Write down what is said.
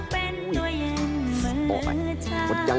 ไปถึงใหม่